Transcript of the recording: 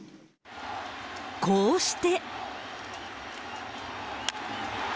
こうして。